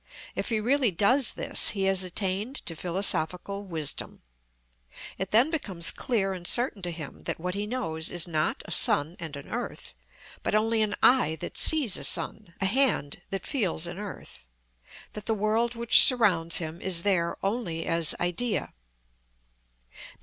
If he really does this, he has attained to philosophical wisdom. It then becomes clear and certain to him that what he knows is not a sun and an earth, but only an eye that sees a sun, a hand that feels an earth; that the world which surrounds him is there only as idea, _i.